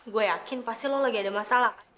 gue yakin pasti lo lagi ada masalah